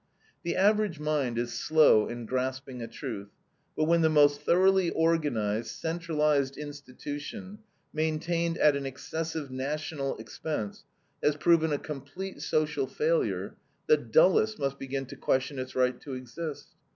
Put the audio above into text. The average mind is slow in grasping a truth, but when the most thoroughly organized, centralized institution, maintained at an excessive national expense, has proven a complete social failure, the dullest must begin to question its right to exist.